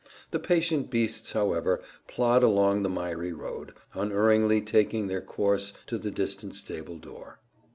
The patient beasts, however, plod along the miry road, unerringly taking their course to the distant stable door.